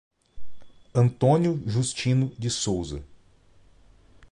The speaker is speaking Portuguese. Antônio Justino de Souza